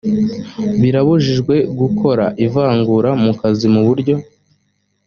birabujijwe gukora ivangura mu kazi mu buryo